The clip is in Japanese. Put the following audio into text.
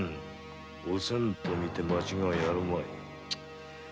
おせんとみて間違いあるまい。